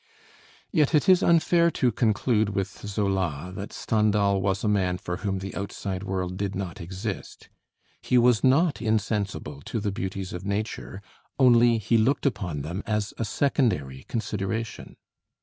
Yet it is unfair to conclude with Zola, that Stendhal was a man for whom the outside world did not exist; he was not insensible to the beauties of nature, only he looked upon them as a secondary consideration.